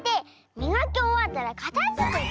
みがきおわったらかたづけて！